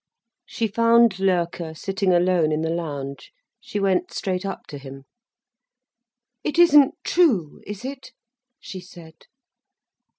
She found Loerke sitting alone in the lounge. She went straight up to him. "It isn't true, is it?" she said.